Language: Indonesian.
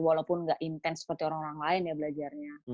walaupun nggak intens seperti orang orang lain ya belajarnya